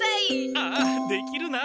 ああできるな！